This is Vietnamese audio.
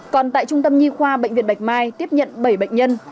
còn tại trung tâm nhi khoa bệnh viện bạch mai tiếp nhận bảy bệnh nhân